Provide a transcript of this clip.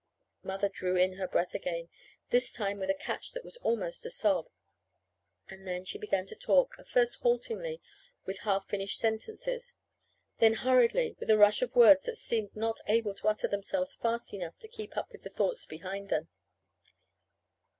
Mother drew in her breath again, this time with a catch that was almost a sob. And then she began to talk at first haltingly, with half finished sentences; then hurriedly, with a rush of words that seemed not able to utter themselves fast enough to keep up with the thoughts behind them.